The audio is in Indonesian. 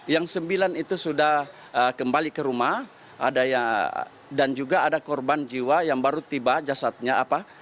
yang sembilan itu sudah kembali ke rumah dan juga ada korban jiwa yang baru tiba jasadnya apa